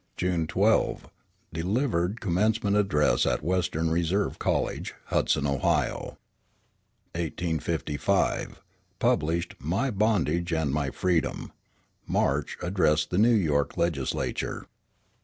June 12. Delivered commencement address at Western Reserve College, Hudson, Ohio. 1855 Published My Bondage and My Freedom. March. Addressed the New York legislature.